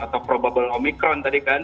atau probable omikron tadi kan